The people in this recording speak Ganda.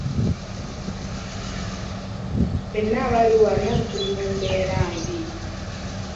Ffena abali wano tuli mu mbeera mbi.